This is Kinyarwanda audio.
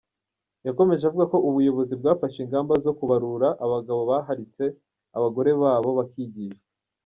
Yakomeje avuga ko ubuyobozi bwafashe ingamba zo kubarura abagabo baharitse abagore babo bakigishwa.